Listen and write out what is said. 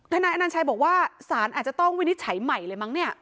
นายอนัญชัยบอกว่าสารอาจจะต้องวินิจฉัยใหม่เลยมั้งเนี่ย